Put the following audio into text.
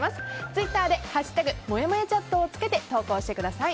ツイッターで「＃もやもやチャット」をつけて投稿してください。